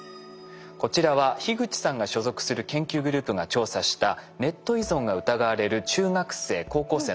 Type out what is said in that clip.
こちらは樋口さんが所属する研究グループが調査したネット依存が疑われる中学生・高校生の割合です。